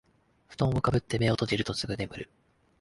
ふとんをかぶって目を閉じるとすぐ眠る